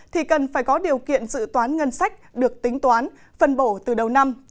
thì cần phải có điều kiện dự toán ngân sách được tính toán phân bổ từ đầu năm